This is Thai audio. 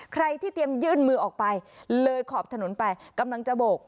ใครที่เตรียมยื่นมือออกไปเลยขอบถนนไปกำลังจะโบก